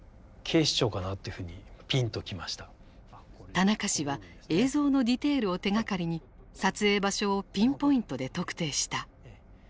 田中氏は映像のディテールを手がかりに撮影場所をピンポイントで特定した。